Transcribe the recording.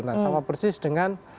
nah sama persis dengan